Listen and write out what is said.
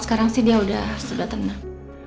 sekarang sih dia sudah tenang